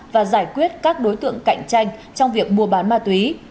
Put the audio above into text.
và giải quyết các đối tượng cạnh tranh trong việc mua bán ma túy